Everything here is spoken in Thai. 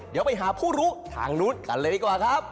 เดี๋ยวไปหาผู้รู้ทางนู้นกันเลยดีกว่าครับ